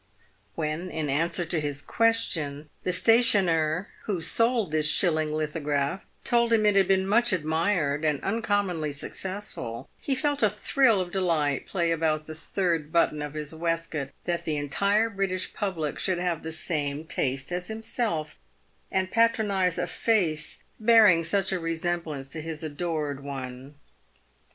When, in answer to his question, the stationer who sold this shilling lithograph told him it had been much admired, and uncommonly successful, he felt a thrill of delight play about the third button of his waistcoat, that the entire British public should have the same taste as himself, and patronise a face bearing such a resemblance to his adored one.